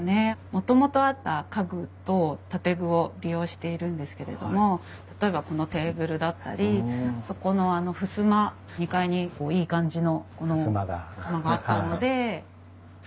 もともとあった家具と建具を利用しているんですけれども例えばこのテーブルだったりそこのふすま２階にいい感じのふすまがあったので使いました。